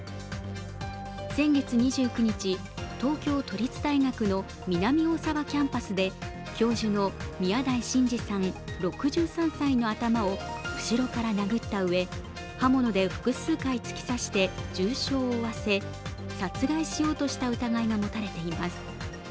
先月２９日、東京都立大学の南大沢キャンパスで教授の宮台真司さん６３歳の頭を後ろから殴ったうえ、刃物で複数回突き刺して重傷を負わせ殺害しようとした疑いが持たれています。